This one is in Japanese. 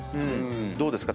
どうですか？